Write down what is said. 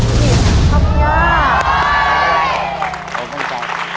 ถูกแข็งถูกแข็งถูกแข็ง